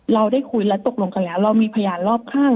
เราได้คุยและตกลงกันแล้วเรามีพยานรอบข้าง